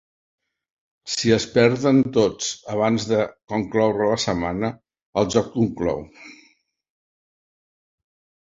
Si es perden tots abans de concloure la setmana, el joc conclou.